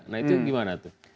nah itu gimana tuh